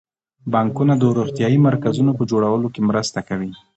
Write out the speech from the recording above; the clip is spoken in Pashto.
بانکونه د روغتیايي مرکزونو په جوړولو کې مرسته کوي.